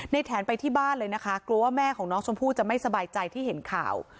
แถนไปที่บ้านเลยนะคะกลัวว่าแม่ของน้องชมพู่จะไม่สบายใจที่เห็นข่าว